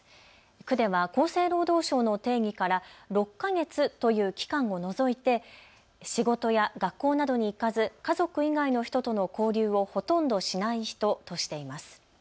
区では厚生労働省の定義から６カ月という期間を除いて仕事や学校などに行かず家族以外の人との交流をほとんどしない人としています。